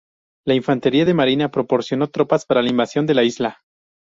La Infantería de Marina proporcionó tropas para la invasión de la isla.